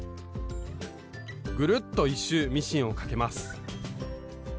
グルッと１周ミシンをかけます